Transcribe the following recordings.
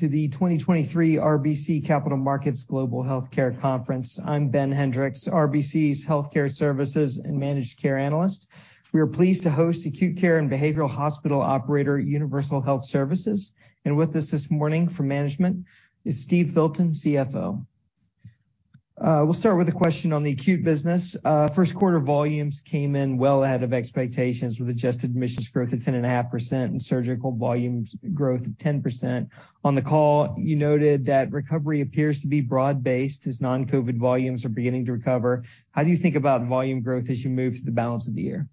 To the 2023 RBC Capital Markets Global Healthcare Conference. I'm Ben Hendrix, RBC's Healthcare Services and Managed Care analyst. We are pleased to host acute care and behavioral hospital operator, Universal Health Services. With us this morning from management is Steve Filton, CFO. We'll start with a question on the acute business. First quarter volumes came in well out of expectations with adjusted admissions growth of 10.5% and surgical volumes growth of 10%. On the call, you noted that recovery appears to be broad-based as non-COVID volumes are beginning to recover. How do you think about volume growth as you move through the balance of the year?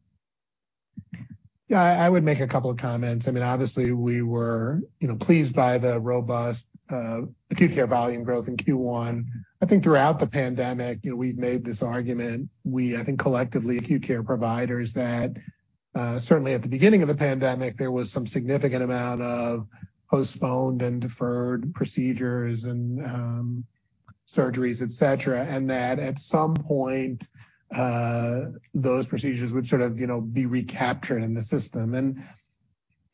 I would make a couple of comments. I mean, obviously, we were, you know, pleased by the robust acute care volume growth in Q1. I think throughout the pandemic, you know, we've made this argument. I think collectively acute care providers that certainly at the beginning of the pandemic, there was some significant amount of postponed and deferred procedures and surgeries, et cetera. That at some point, those procedures would sort of, you know, be recaptured in the system. You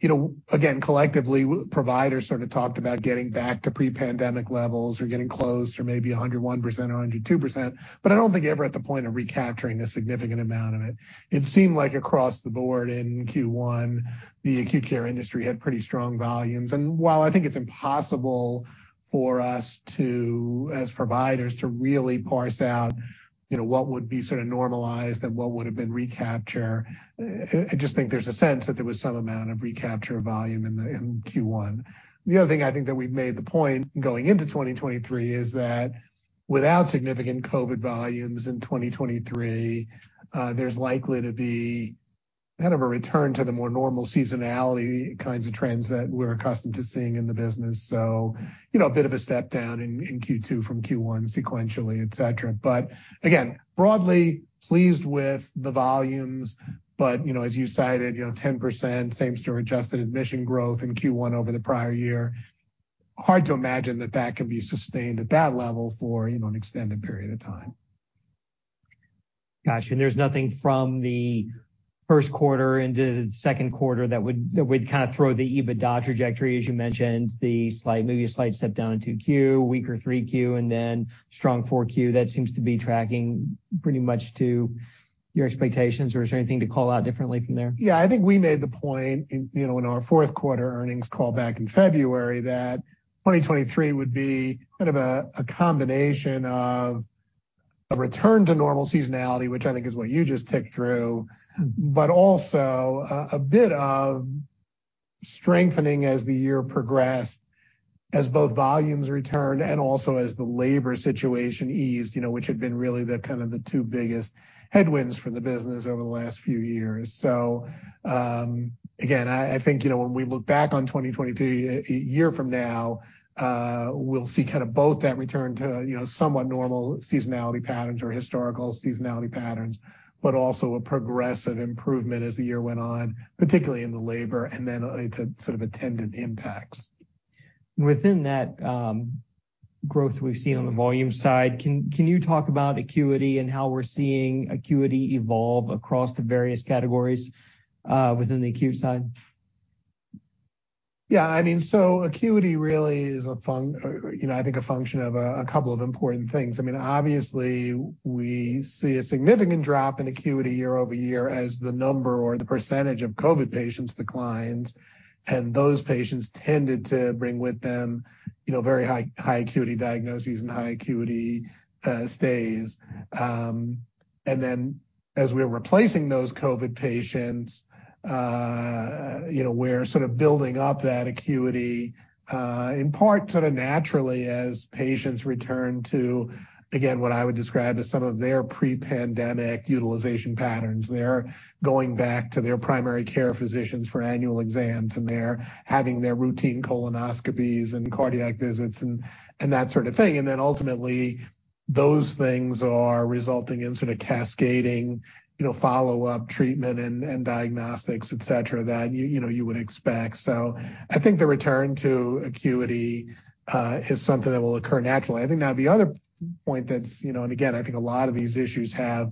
know, again, collectively providers sort of talked about getting back to pre-pandemic levels or getting close to maybe 101% or 102%, but I don't think ever at the point of recapturing a significant amount of it. It seemed like across the board in Q1, the acute care industry had pretty strong volumes. While I think it's impossible for us to, as providers, to really parse out, you know, what would be sort of normalized and what would've been recapture, I just think there's a sense that there was some amount of recapture volume in Q1. The other thing I think that we've made the point going into 2023 is that without significant COVID volumes in 2023, there's likely to be kind of a return to the more normal seasonality kinds of trends that we're accustomed to seeing in the business. You know, a bit of a step down in Q2 from Q1 sequentially, et cetera. Again, broadly pleased with the volumes. You know, as you cited, you know, 10% same-store adjusted admission growth in Q1 over the prior year, hard to imagine that that can be sustained at that level for, you know, an extended period of time. Got you. There's nothing from the first quarter into the second quarter that would kind of throw the EBITDA trajectory, as you mentioned, maybe a slight step down in 2Q, weaker 3Q, and then strong 4Q. That seems to be tracking pretty much to your expectations, or is there anything to call out differently from there? Yeah. I think we made the point in, you know, in our fourth quarter earnings call back in February that 2023 would be kind of a combination of a return to normal seasonality, which I think is what you just ticked through, but also a bit of strengthening as the year progressed, as both volumes returned and also as the labor situation eased, you know, which had been really the kind of the two biggest headwinds for the business over the last few years. Again, I think, you know, when we look back on 2023 a year from now, we'll see kind of both that return to, you know, somewhat normal seasonality patterns or historical seasonality patterns, but also a progressive improvement as the year went on, particularly in the labor and then to sort of attendant impacts. Within that, growth we've seen on the volume side, can you talk about acuity and how we're seeing acuity evolve across the various categories, within the acute side? Yeah. I mean, acuity really is a function of a couple of important things. I mean, obviously we see a significant drop in acuity year-over-year as the number or the percentage of COVID patients declines. Those patients tended to bring with them, you know, very high acuity diagnoses and high acuity stays. As we're replacing those COVID patients, you know, we're sort of building up that acuity in part sort of naturally as patients return to, again, what I would describe as some of their pre-pandemic utilization patterns. They're going back to their primary care physicians for annual exams. They're having their routine colonoscopies and cardiac visits and that sort of thing. Then ultimately, those things are resulting in sort of cascading, you know, follow-up treatment and diagnostics, et cetera, that you know, you would expect. I think the return to acuity is something that will occur naturally. I think now the other point that's, you know. Again, I think a lot of these issues have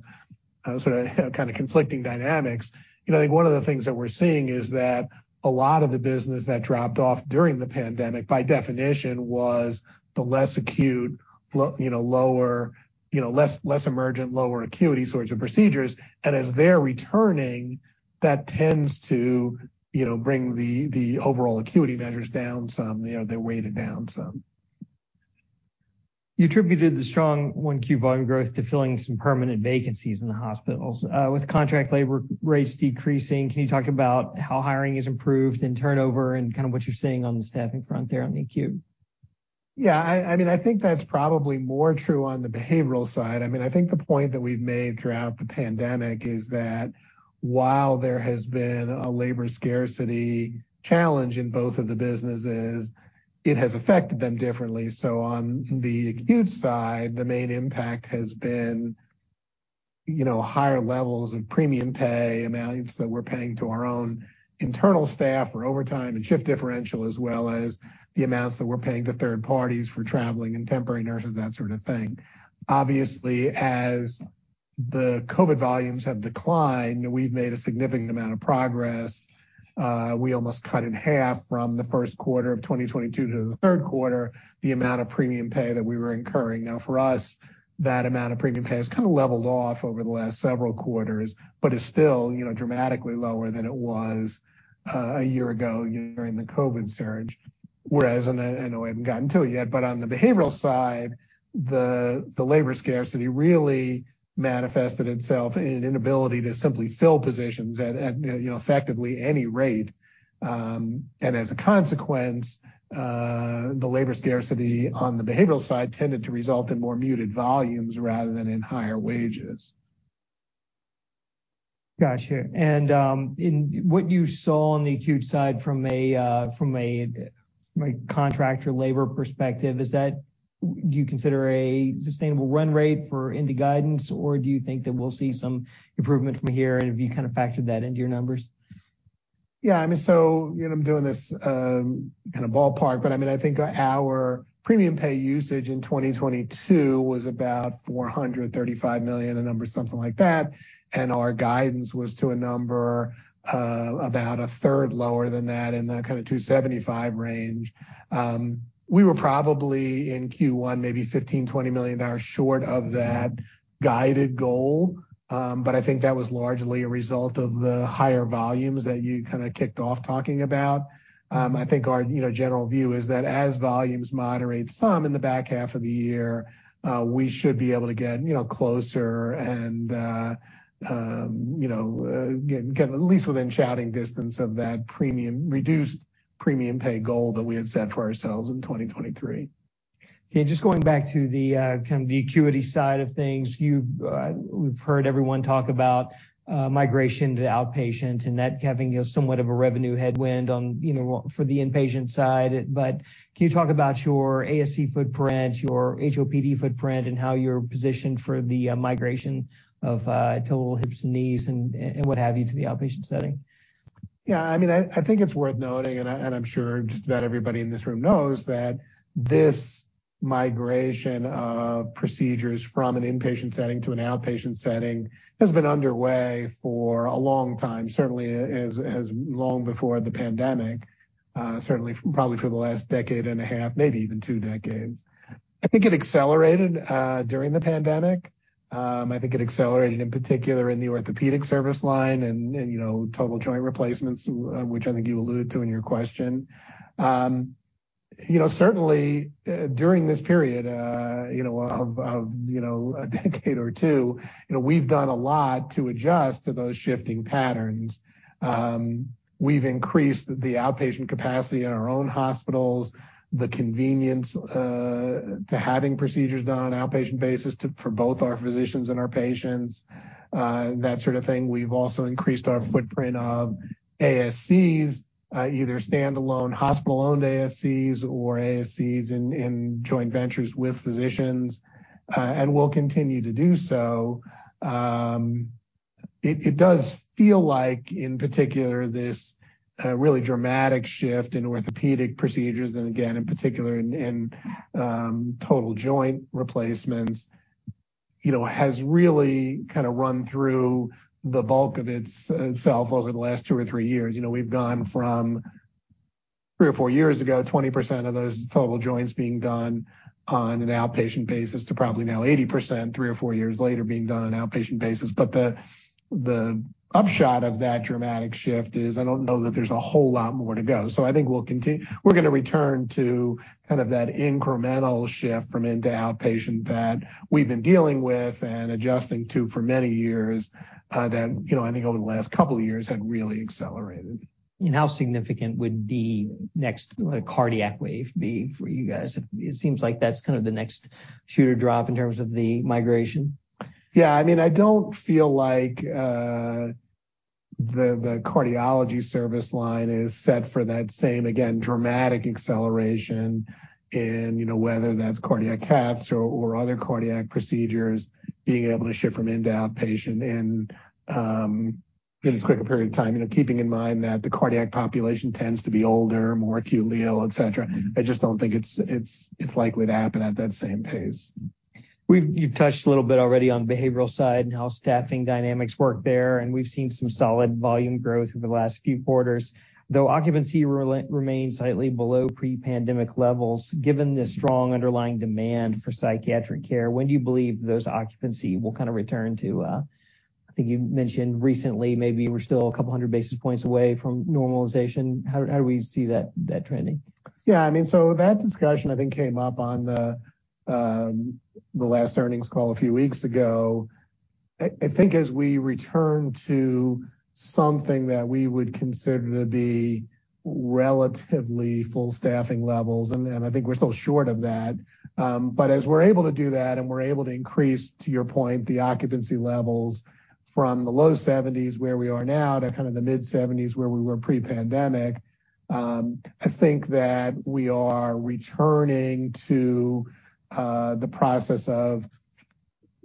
sort of kind of conflicting dynamics. You know, I think one of the things that we're seeing is that a lot of the business that dropped off during the pandemic, by definition, was the less acute, low, you know, lower, less emergent, lower acuity sorts of procedures. As they're returning, that tends to, you know, bring the overall acuity measures down some. You know, they're weighted down some. You attributed the strong 1Q volume growth to filling some permanent vacancies in the hospitals. With contract labor rates decreasing, can you talk about how hiring has improved and turnover and kind of what you're seeing on the staffing front there on the acute? I mean, I think that's probably more true on the behavioral side. I mean, I think the point that we've made throughout the pandemic is that while there has been a labor scarcity challenge in both of the businesses, it has affected them differently. On the acute side, the main impact has been, you know, higher levels of premium pay amounts that we're paying to our own internal staff for overtime and shift differential, as well as the amounts that we're paying to third parties for traveling and temporary nurses, that sort of thing. Obviously, the COVID volumes have declined. We've made a significant amount of progress. We almost cut in half from the first quarter of 2022 to the third quarter, the amount of premium pay that we were incurring. For us, that amount of premium pay has kind of leveled off over the last several quarters, but is still, you know, dramatically lower than it was a year ago during the COVID surge. I know I haven't gotten to it yet, but on the behavioral side, the labor scarcity really manifested itself in an inability to simply fill positions at, you know, effectively any rate. As a consequence, the labor scarcity on the behavioral side tended to result in more muted volumes rather than in higher wages. Got you. In what you saw on the acute side from a, from a, like, contractor labor perspective, do you consider a sustainable run rate for UHS guidance, or do you think that we'll see some improvement from here, and have you kind of factored that into your numbers? Yeah, I mean, you know, I'm doing this, in a ballpark, but I mean, I think our premium pay usage in 2022 was about $435 million, a number something like that. Our guidance was to a number, about a third lower than that in the kind of $275 range. We were probably in Q1, maybe $15 million-$20 million short of that guided goal. I think that was largely a result of the higher volumes that you kinda kicked off talking about. I think our, you know, general view is that as volumes moderate some in the back half of the year, we should be able to get, you know, closer and, you know, get at least within shouting distance of that premium, reduced premium pay goal that we had set for ourselves in 2023. Okay. Just going back to the, kind of the acuity side of things. You've, we've heard everyone talk about, migration to outpatient and that having a somewhat of a revenue headwind on, you know, for the inpatient side. Can you talk about your ASC footprint, your HOPD footprint, and how you're positioned for the migration of, total hips and knees and what have you, to the outpatient setting? I mean, I think it's worth noting, and I, and I'm sure just about everybody in this room knows that this migration of procedures from an inpatient setting to an outpatient setting has been underway for a long time, certainly as long before the pandemic, certainly probably for the last decade and a half, maybe even two decades. I think it accelerated during the pandemic. I think it accelerated in particular in the orthopedic service line and, you know, total joint replacements, which I think you alluded to in your question. You know, certainly, during this period, you know, of, you know, a decade or two, you know, we've done a lot to adjust to those shifting patterns. We've increased the outpatient capacity in our own hospitals, the convenience to having procedures done on an outpatient basis to, for both our physicians and our patients, that sort of thing. We've also increased our footprint of ASCs, either standalone hospital-owned ASCs or ASCs in joint ventures with physicians, and we'll continue to do so. It does feel like, in particular, this really dramatic shift in orthopedic procedures and again, in particular in total joint replacements, you know, has really kinda run through the bulk of itself over the last two or three years. You know, we've gone from three or four years ago, 20% of those total joints being done on an outpatient basis to probably now 80% three or four years later being done on an outpatient basis. The upshot of that dramatic shift is I don't know that there's a whole lot more to go. I think we're gonna return to kind of that incremental shift from in to outpatient that we've been dealing with and adjusting to for many years, that, you know, I think over the last couple of years have really accelerated. How significant would the next, like, cardiac wave be for you guys? It seems like that's kind of the next shoe to drop in terms of the migration. Yeah, I mean, I don't feel like, the cardiology service line is set for that same, again, dramatic acceleration in, you know, whether that's cardiac caths or other cardiac procedures being able to shift from in to outpatient in as quick a period of time. You know, keeping in mind that the cardiac population tends to be older, more acutely ill, et cetera. I just don't think it's likely to happen at that same pace. You've touched a little bit already on behavioral side and how staffing dynamics work there. We've seen some solid volume growth over the last few quarters, though occupancy remains slightly below pre-pandemic levels. Given the strong underlying demand for psychiatric care, when do you believe those occupancy will kind of return to? I think you've mentioned recently, maybe we're still a couple hundred basis points away from normalization. How do we see that trending? Yeah, I mean, that discussion I think came up on the last earnings call a few weeks ago. I think as we return to something that we would consider to be relatively full staffing levels, and I think we're still short of that. As we're able to do that and we're able to increase, to your point, the occupancy levels from the low 70s, where we are now, to kind of the mid-70s where we were pre-pandemic, I think that we are returning to, the process of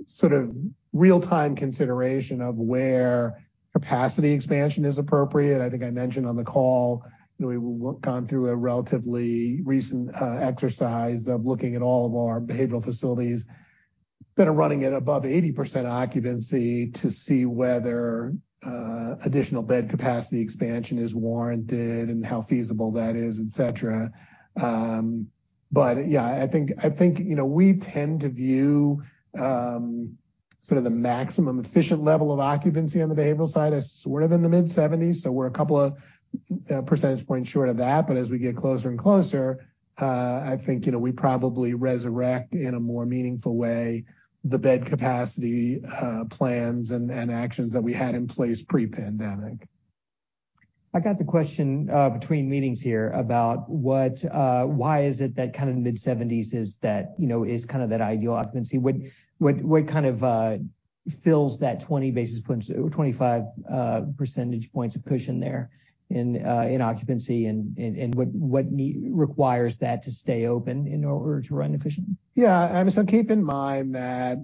sort of real-time consideration of where capacity expansion is appropriate. I think I mentioned on the call that we gone through a relatively recent exercise of looking at all of our behavioral facilities that are running at above 80% occupancy to see whether additional bed capacity expansion is warranted and how feasible that is, et cetera. Yeah, I think, you know, we tend to view sort of the maximum efficient level of occupancy on the behavioral side as sort of in the mid-seventies. We're a couple of percentage points short of that. As we get closer and closer, I think, you know, we probably resurrect in a more meaningful way the bed capacity plans and actions that we had in place pre-pandemic. I got the question, between meetings here about what, why is it that kind of mid-70s is that, you know, is kind of that ideal occupancy? What kind of fills that 20 basis points or 25 percentage points of cushion there in occupancy? What requires that to stay open in order to run efficient? I mean, keep in mind that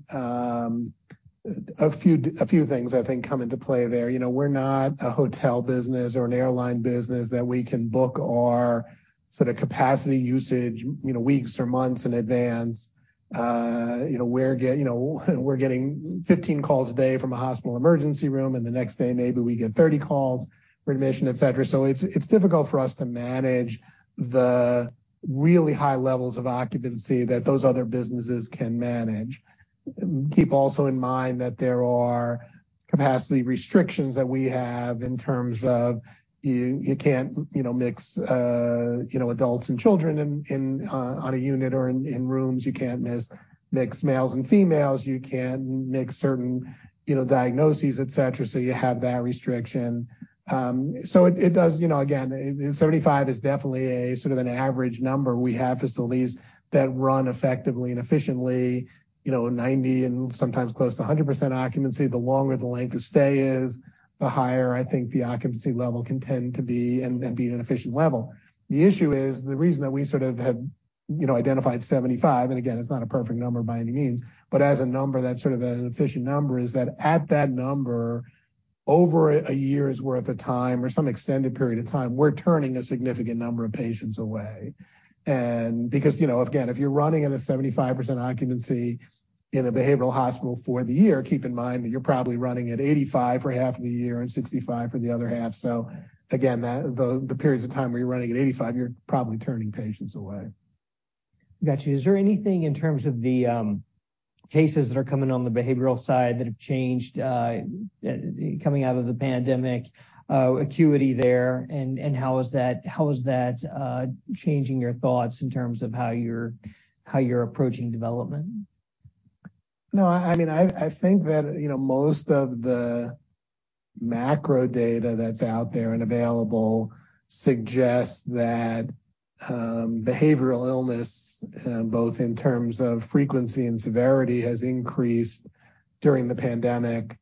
a few things I think come into play there. You know, we're not a hotel business or an airline business that we can book our sort of capacity usage, you know, weeks or months in advance. You know, we're getting 15 calls a day from a hospital emergency room, and the next day maybe we get 30 calls for admission, et cetera. It's difficult for us to manage the really high levels of occupancy that those other businesses can manage. Keep also in mind that there are capacity restrictions that we have in terms of you can't, you know, mix, you know, adults and children in on a unit or in rooms. You can't mix males and females. You can't mix certain, you know, diagnoses, et cetera. You have that restriction. It does, you know, again, 75 is definitely a sort of an average number. We have facilities that run effectively and efficiently, you know, 90 and sometimes close to 100% occupancy. The longer the length of stay is, the higher I think the occupancy level can tend to be and be at an efficient level. The issue is, the reason that we sort of have, you know, identified 75, and again, it's not a perfect number by any means, but as a number that's sort of an efficient number, is that at that number over a year's worth of time or some extended period of time, we're turning a significant number of patients away. Because, you know, again, if you're running at a 75% occupancy in a behavioral hospital for the year, keep in mind that you're probably running at 85% for half of the year and 65% for the other half. Again, the periods of time where you're running at 85%, you're probably turning patients away. Got you. Is there anything in terms of the cases that are coming on the behavioral side that have changed coming out of the pandemic, acuity there? How is that changing your thoughts in terms of how you're approaching development? No, I mean, I think that, you know, most of the macro data that's out there and available suggests that behavioral illness, both in terms of frequency and severity, has increased during the pandemic,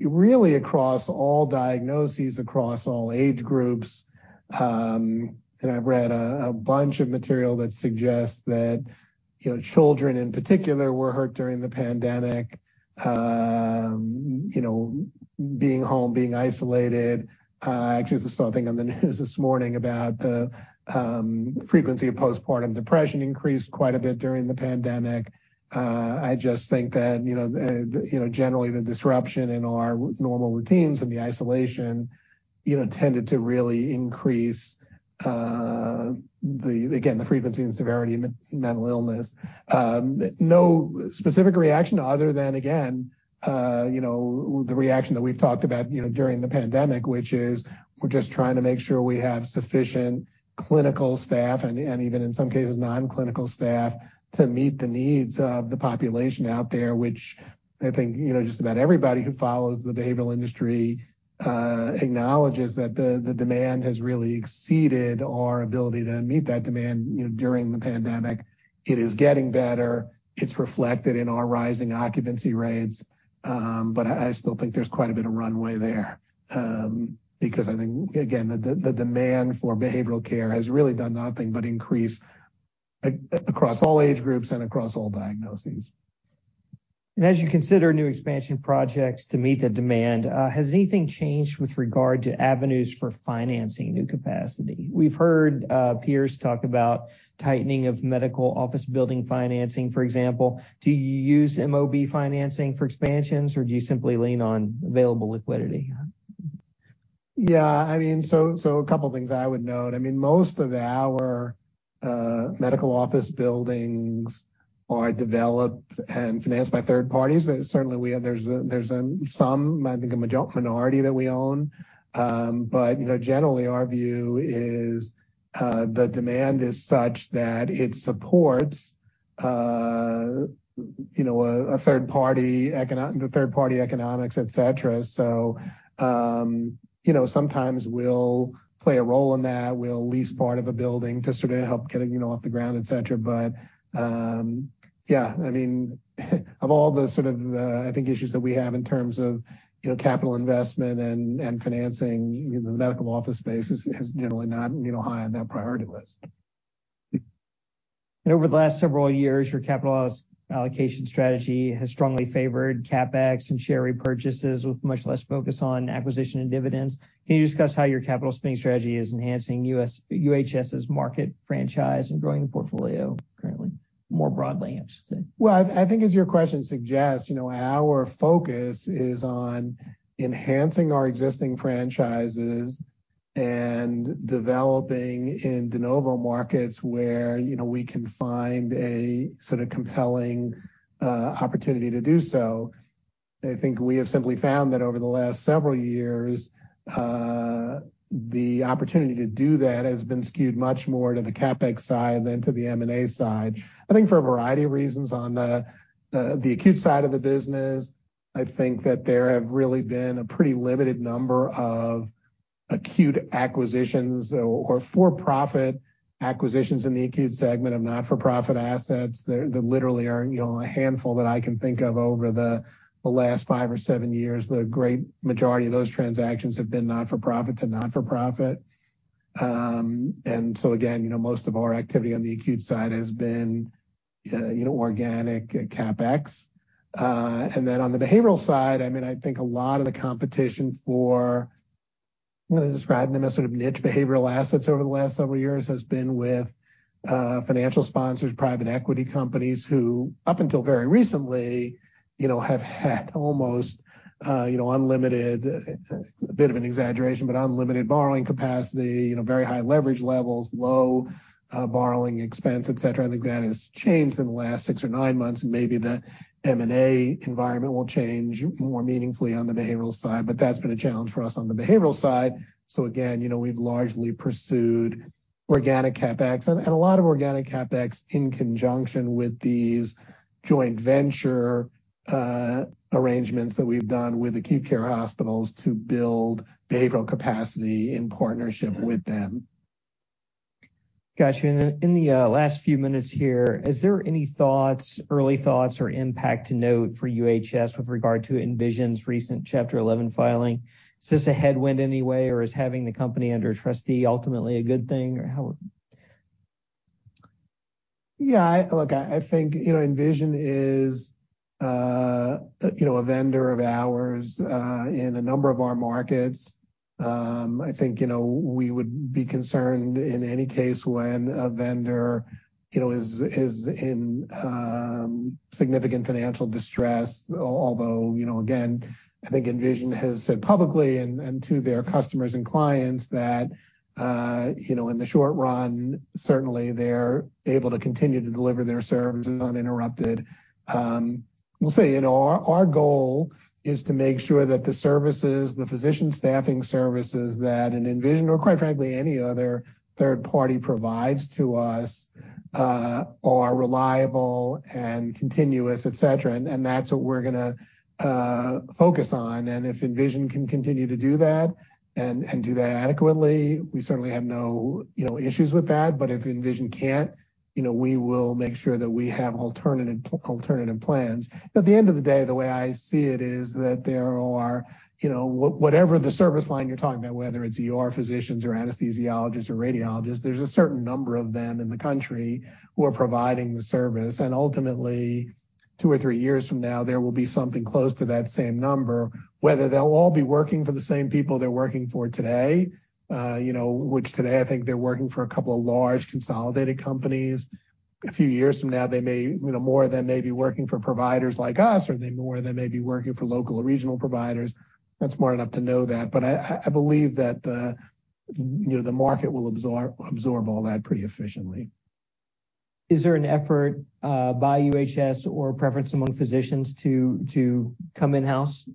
really across all diagnoses, across all age groups. I've read a bunch of material that suggests that, you know, children in particular were hurt during the pandemic. You know, being home, being isolated. Actually, I just saw a thing on the news this morning about the frequency of postpartum depression increased quite a bit during the pandemic. I just think that, you know, generally the disruption in our normal routines and the isolation, you know, tended to really increase the, again, the frequency and severity of mental illness. no specific reaction other than, again, you know, the reaction that we've talked about, you know, during the pandemic, which is we're just trying to make sure we have sufficient clinical staff and even in some cases, non-clinical staff to meet the needs of the population out there, which I think, you know, just about everybody who follows the behavioral industry acknowledges that the demand has really exceeded our ability to meet that demand, you know, during the pandemic. It is getting better. It's reflected in our rising occupancy rates. I still think there's quite a bit of runway there because I think, again, the demand for behavioral care has really done nothing but increase across all age groups and across all diagnoses. As you consider new expansion projects to meet the demand, has anything changed with regard to avenues for financing new capacity? We've heard peers talk about tightening of medical office building financing, for example. Do you use MOB financing for expansions, or do you simply lean on available liquidity? Yeah, I mean, so a couple things I would note. I mean, most of our medical office buildings are developed and financed by third parties. Certainly, there's some, I think, a minority that we own. You know, generally our view is the demand is such that it supports, you know, a third party economics, et cetera. You know, sometimes we'll play a role in that. We'll lease part of a building to sort of help get it, you know, off the ground, et cetera. Yeah, I mean, of all the sort of, I think issues that we have in terms of, you know, capital investment and financing, the medical office space is generally not, you know, high on that priority list. Over the last several years, your capital allocation strategy has strongly favored CapEx and share repurchases with much less focus on acquisition and dividends. Can you discuss how your capital spending strategy is enhancing UHS's market franchise and growing portfolio currently, more broadly, I should say? I think as your question suggests, you know, our focus is on enhancing our existing franchises and developing in de novo markets where, you know, we can find a sort of compelling opportunity to do so. I think we have simply found that over the last several years, the opportunity to do that has been skewed much more to the CapEx side than to the M&A side. I think for a variety of reasons on the acute side of the business, I think that there have really been a pretty limited number of acute acquisitions or for-profit acquisitions in the acute segment of not-for-profit assets. There literally are, you know, a handful that I can think of over the last five or seven years. The great majority of those transactions have been not-for-profit to not-for-profit. Again, you know, most of our activity on the acute side has been, you know, organic CapEx. Then on the behavioral side, I mean, I think a lot of the competition for I'm gonna describe them as sort of niche behavioral assets over the last several years, has been with financial sponsors, private equity companies, who up until very recently, you know, have had almost, you know, unlimited, a bit of an exaggeration, but unlimited borrowing capacity, you know, very high leverage levels, low borrowing expense, et cetera. I think that has changed in the last six or nine months, and maybe the M&A environment will change more meaningfully on the behavioral side. That's been a challenge for us on the behavioral side. Again, you know, we've largely pursued organic CapEx and a lot of organic CapEx in conjunction with these joint venture arrangements that we've done with acute care hospitals to build behavioral capacity in partnership with them. Got you. In the last few minutes here, is there any thoughts, early thoughts or impact to note for UHS with regard to Envision's recent Chapter 11 filing? Is this a headwind in any way, or is having the company under a trustee ultimately a good thing? How would... Yeah, Look, I think, you know, Envision is, you know, a vendor of ours, in a number of our markets. I think, you know, we would be concerned in any case when a vendor, you know, is in significant financial distress, although, you know, again, I think Envision has said publicly and to their customers and clients that, you know, in the short run, certainly they're able to continue to deliver their services uninterrupted. We'll see. You know, our goal is to make sure that the services, the physician staffing services that an Envision or quite frankly any other third party provides to us, are reliable and continuous, et cetera. That's what we're gonna focus on. If Envision can continue to do that and do that adequately, we certainly have no, you know, issues with that. If Envision can't, you know, we will make sure that we have alternative plans. At the end of the day, the way I see it is that there are, you know, whatever the service line you're talking about, whether it's ER physicians or anesthesiologists or radiologists, there's a certain number of them in the country who are providing the service. Ultimately, two or three years from now, there will be something close to that same number. Whether they'll all be working for the same people they're working for today, you know, which today I think they're working for a couple of large consolidated companies. A few years from now, they may, you know, more of them may be working for providers like us, or more of them may be working for local or regional providers. Not smart enough to know that. I believe that the, you know, the market will absorb all that pretty efficiently. Is there an effort, by UHS or preference among physicians to come in-house?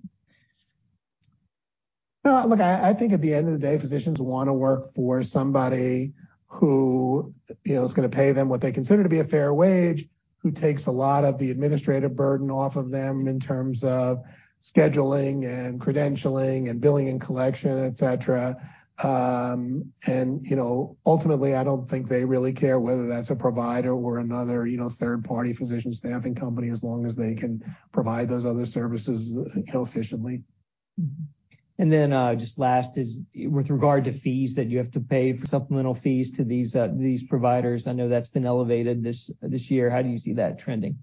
No. Look, I think at the end of the day, physicians wanna work for somebody who, you know, is gonna pay them what they consider to be a fair wage, who takes a lot of the administrative burden off of them in terms of scheduling and credentialing and billing and collection, et cetera. You know, ultimately, I don't think they really care whether that's a provider or another, you know, third-party physician staffing company as long as they can provide those other services, you know, efficiently. Just last is with regard to fees that you have to pay for supplemental fees to these providers, I know that's been elevated this year. How do you see that trending?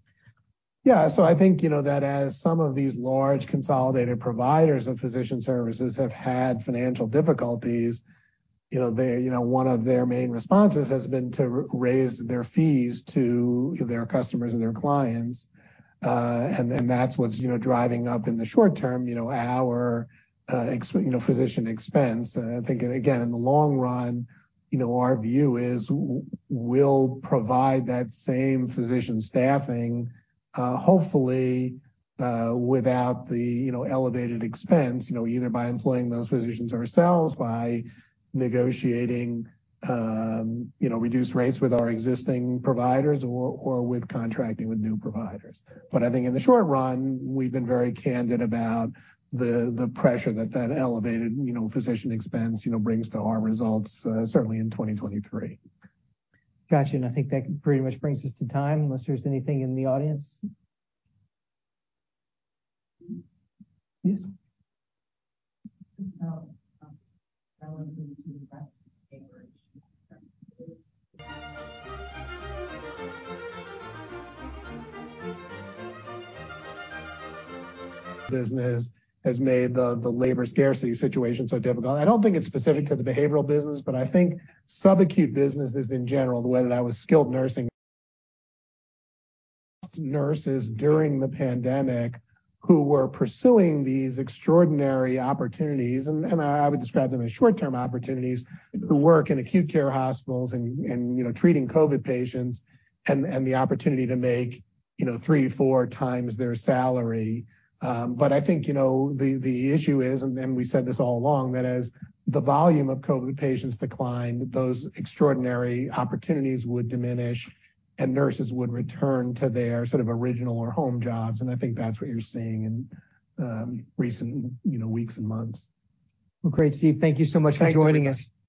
I think, you know, that as some of these large consolidated providers of physician services have had financial difficulties, you know, they, you know, one of their main responses has been to raise their fees to their customers and their clients. That's what's, you know, driving up in the short term, you know, our, you know, physician expense. I think, again, in the long run, you know, our view is we'll provide that same physician staffing, hopefully, without the, you know, elevated expense, you know, either by employing those physicians ourselves, by negotiating, you know, reduced rates with our existing providers or with contracting with new providers. I think in the short run, we've been very candid about the pressure that elevated, you know, physician expense, you know, brings to our results, certainly in 2023. Got you. I think that pretty much brings us to time unless there's anything in the audience. Yes. Business has made the labor scarcity situation so difficult. I don't think it's specific to the behavioral business, but I think sub-acute businesses in general, the way that I was skilled nursing nurses during the pandemic who were pursuing these extraordinary opportunities, and I would describe them as short-term opportunities to work in acute care hospitals and, you know, treating COVID patients and the opportunity to make, you know, 3x, 4x times their salary. I think, you know, the issue is, and we said this all along, that as the volume of COVID patients declined, those extraordinary opportunities would diminish, and nurses would return to their sort of original or home jobs. I think that's what you're seeing in recent, you know, weeks and months. Well, great. Steve, thank you so much for joining us.